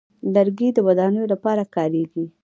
لرګی د ودانیو لپاره کارېږي.